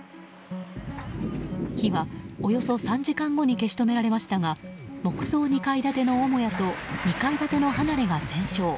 火はおよそ３時間後に消し止められましたが木造２階建ての母屋と２階建ての離れが全焼。